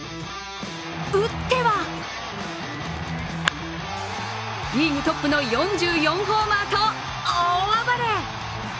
打ってはリーグトップの４４ホーマーと大暴れ！